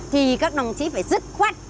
thì các đồng chí phải dứt khoát